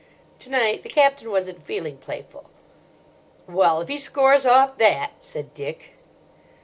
To night the Captain wasn't feeling playful. "Well, if he scores off that!" said Dick.